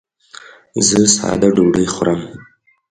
زه ساده ډوډۍ خورم.